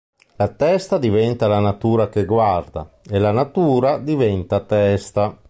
La testa diventa la natura che guarda, e la natura diventa testa.